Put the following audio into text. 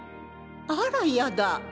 あらいやだ！